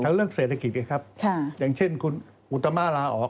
เรื่องเศรษฐกิจไงครับค่ะอย่างเช่นคุณอุตมาลาออก